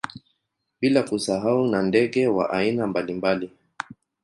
Bila kusahau na ndege wa aina mbalimbali